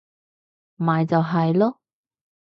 咪就係囉